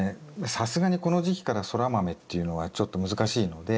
さすがにこの時期からソラマメっていうのはちょっと難しいので。